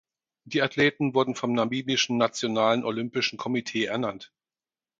Die Athleten wurden vom Namibischen Nationalen Olympischen Komitee ernannt.